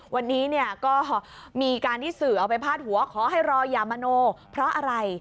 วันนี้เนี่ยก็มีการที่สื่อเอาไปพาดหัวขอให้รอยามโนเพราะอะไร